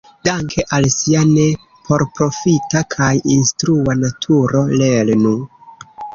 Danke al sia ne-porprofita kaj instrua naturo, "lernu!